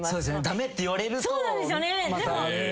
駄目って言われるとまた。